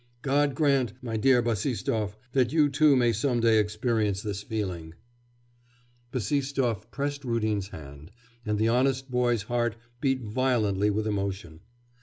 God grant, my dear Bassistoff, that you too may some day experience this feeling!' Bassistoff pressed Rudin's hand, and the honest boy's heart beat violently with emotion.